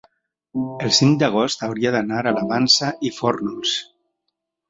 el cinc d'agost hauria d'anar a la Vansa i Fórnols.